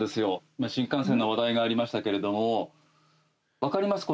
今、新幹線の話題がありましたけれども分かります？